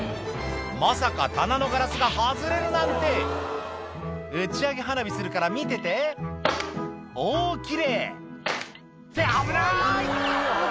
まさか棚のガラスが外れるなんて打ち上げ花火するから見ててお奇麗って危ない！